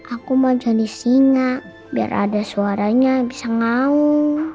aku mau jadi singa biar ada suaranya bisa ngawu